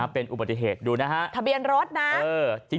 เป็นอุบัติเหตุดูนะฮะทะเบียนรถนะ